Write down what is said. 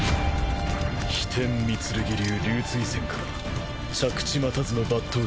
飛天御剣流龍槌閃から着地待たずの抜刀術か。